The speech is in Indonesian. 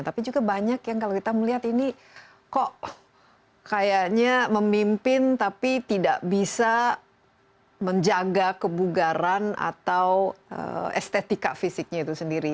tapi juga banyak yang kalau kita melihat ini kok kayaknya memimpin tapi tidak bisa menjaga kebugaran atau estetika fisiknya itu sendiri